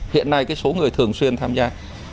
hiện nay số người thường xuyên tham gia